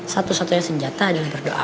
satu satu yang senjata adalah berdoa